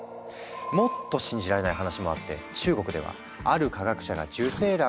もっと信じられない話もあって中国ではある科学者が受精卵をゲノム編集。